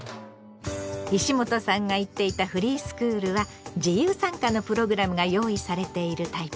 石本さんが行っていたフリースクールは自由参加のプログラムが用意されているタイプ。